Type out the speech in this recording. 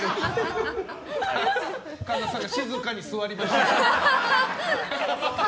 神田さんが静かに座りだした。